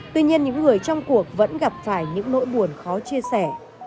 tuy nhiên những người trong cuộc vẫn gặp phải những nỗi buồn khó chia sẻ